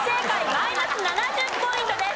マイナス７０ポイントです。